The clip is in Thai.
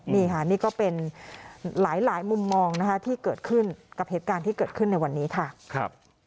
นี่ค่ะนี่ก็เป็นหลายมุมมองนะคะที่เกิดขึ้นกับเหตุการณ์ที่เกิดขึ้นในวันนี้ค่ะ